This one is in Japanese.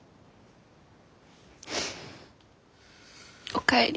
おかえり。